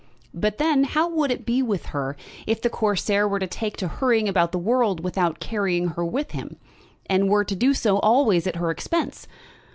But then, how would it be with her, if the Corsair were to take to hurrying about the world without carrying her with him; and were to do so always at her expense!